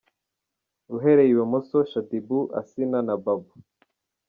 Uhereye i bumoso:Shaddy Boo, Asinah na Babo.